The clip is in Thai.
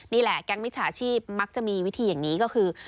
นี่แหละแก๊งมิจฉาชีพมักจะมีวิธีอย่างนี้ก็คือ